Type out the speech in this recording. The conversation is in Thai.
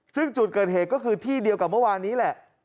ซึ่งจุดเกิดเหตุก็คือที่เดียวกับเมื่อวานนี้แหละ